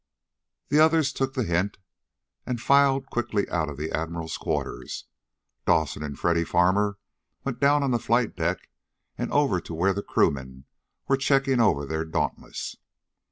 The others took the "hint" and filed quickly out of the Admiral's quarters. Dawson and Freddy Farmer went down onto the flight deck and over to where crew men were checking over their Dauntless.